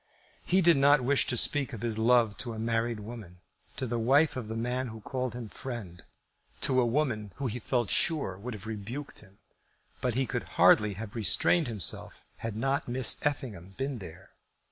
He did not wish to speak of his love to a married woman, to the wife of the man who called him friend, to a woman who he felt sure would have rebuked him. But he could hardly have restrained himself had not Miss Effingham been there.